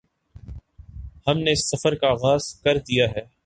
ہم نے اس سفر کا آغاز کردیا ہے